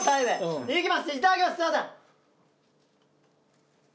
すいません。